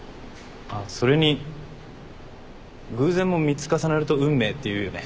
あっそれに偶然も３つ重なると運命っていうよね。